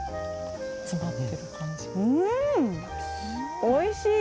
うんおいしい！